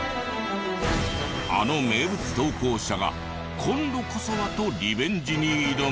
あの名物投稿者が今度こそは！とリベンジに挑む。